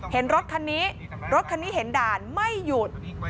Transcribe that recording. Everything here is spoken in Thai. เห็นรถคันนี้รถคันนี้เห็นด่านไม่หยุด